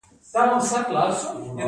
تور مرچ یو ډول مسالې دي